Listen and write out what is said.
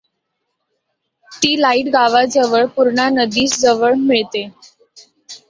ती लाईत गावाजवळ पूर्णा नदीस मिळते.